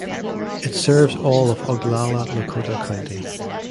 It serves all of Oglala Lakota County.